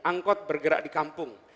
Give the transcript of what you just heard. angkot bergerak di kampung